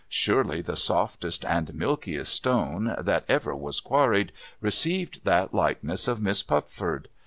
Surely the softest and milkiest stone that ever was quarried, received that likeness of Miss Pupford